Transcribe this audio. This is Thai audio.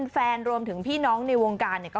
รวมถึงพี่น้องในวงการเนี่ย